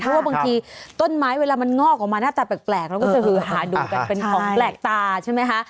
เพราะว่าบางทีต้นไม้เวลามันงอกออกมาหน้าตาแปลกเราก็จะฮือหาดูกันเป็นของแปลกตาใช่ไหมคะ